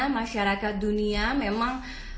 masyarakat dunia memang